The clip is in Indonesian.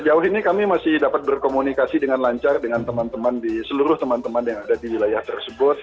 jauh ini kami masih dapat berkomunikasi dengan lancar dengan teman teman di seluruh teman teman yang ada di wilayah tersebut